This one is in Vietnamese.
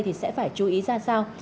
thì sẽ phải chú ý ra sao